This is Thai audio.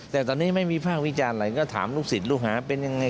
แต่ตอนนี้ไม่มีภาควิจารณ์อะไรก็ถามลูกศิษย์ลูกหาเป็นยังไง